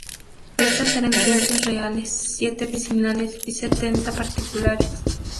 Estas eran quince reales, siete vecinales y setenta particulares.